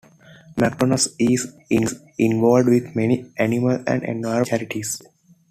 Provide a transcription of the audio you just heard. McDonnell is involved with many animal and environmental charities.